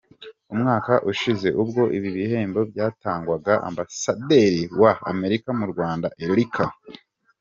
Umwaka ushize ubwo ibi bihembo byatangwaga, Ambasaderi wa Amerika mu Rwanda, Erica J.